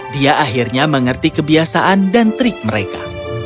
dia akhirnya mengerti kebiasaan dan trik mereka